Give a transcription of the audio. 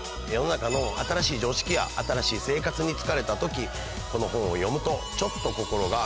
世の中の新しい常識や新しい生活に疲れた時この本を読むとちょっと。